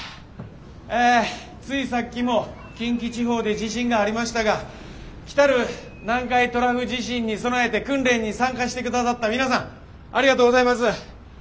えついさっきも近畿地方で地震がありましたが来る南海トラフ地震に備えて訓練に参加してくださった皆さんありがとうございます。